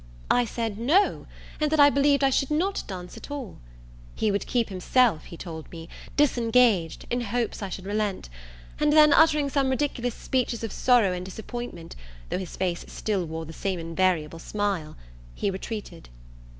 I said No, and that I believed I should not dance at all. He would keep himself he told me, disengaged, in hopes I should relent; and then, uttering some ridiculous speeches of sorrow and disappointment, though his face still wore the same invariable smile, he retreated.